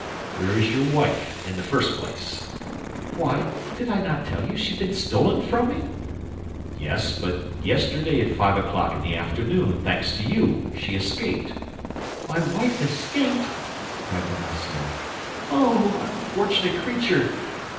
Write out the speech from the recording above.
"Where is your wife, in the first place?" "Why, did not I tell you she had been stolen from me?" "Yes, but yesterday at five o'clock in the afternoon, thanks to you, she escaped." "My wife escaped!" cried Bonacieux. "Oh, unfortunate creature!